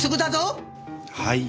はい。